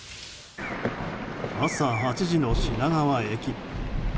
朝８時の品川駅。